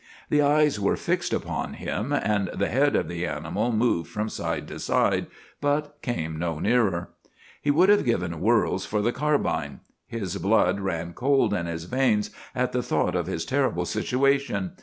The eyes were fixed upon him, and the head of the animal moved from side to side, but came no nearer. He would have given worlds for the carbine. His blood ran cold in his veins at the thought of his terrible situation.